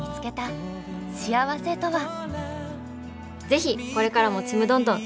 ぜひこれからも「ちむどんどん」